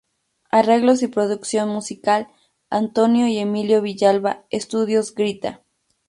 Arreglos y producción musical: Antonio y Emilio Villalba, Estudios Grita!